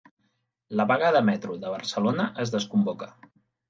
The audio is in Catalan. La vaga de Metro de Barcelona es desconvoca